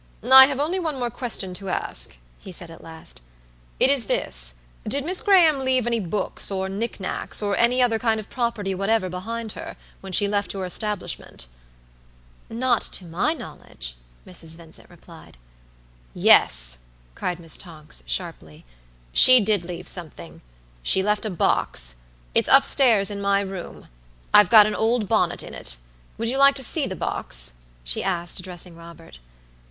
"I have only one more question to ask," he said at last. "It is this: Did Miss Graham leave any books or knick knacks, or any other kind of property whatever, behind her, when she left your establishment?" "Not to my knowledge," Mrs. Vincent replied. "Yes," cried Miss Tonks, sharply. "She did leave something. She left a box. It's up stairs in my room. I've got an old bonnet in it. Would you like to see the box?" she asked, addressing Robert.